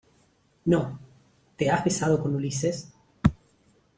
no. ¿ te has besado con Ulises?